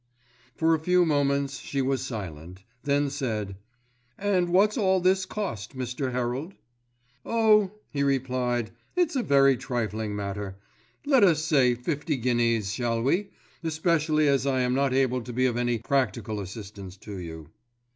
For a few moments she was silent, then said, "And what's all this cost, Mr. Herald?" "Oh," he replied, "it's a very trifling matter. Let us say fifty guineas, shall we, especially as I am not able to be of any practical assistance to you."